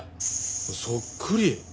そっくり。